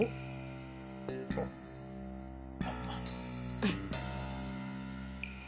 うん。